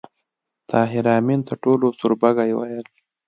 طاهر آمین ته ټولو سوربګی ویل